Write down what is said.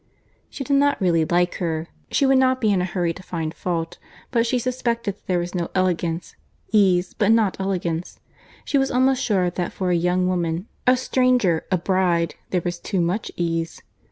She did not really like her. She would not be in a hurry to find fault, but she suspected that there was no elegance;—ease, but not elegance.— She was almost sure that for a young woman, a stranger, a bride, there was too much ease.